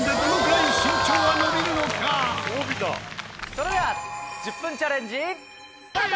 それでは１０分チャレンジスタート！